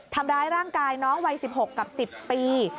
ทำร้ายร่างกายน้องวัย๑๖กับ๑๐ปี